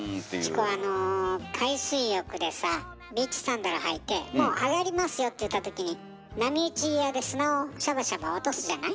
チコあの海水浴でさビーチサンダル履いてもうあがりますよっていったときに波打ち際で砂をシャバシャバ落とすじゃない？